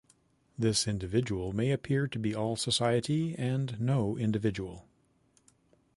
This "individual" may appear to be all society and no individual.